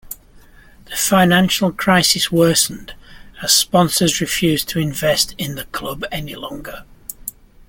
The financial crisis worsened, as sponsors refused to invest in the club any longer.